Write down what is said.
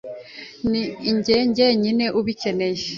ni njye.jyenyine ubikeneye